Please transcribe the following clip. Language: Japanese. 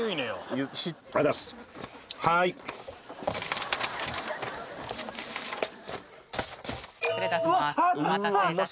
はい失礼いたします